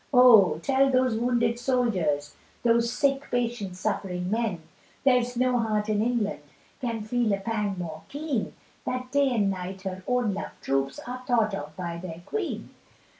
Oh! tell those wounded soldiers, Those sick, patient, suffering men, There's no heart in England, Can feel a pang more keen, That day and night her own lov'd troops Are thought of by their Queen.